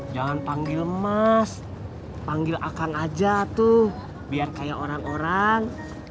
jangan panggil mas panggil akan aja tuh biar kayak orang orang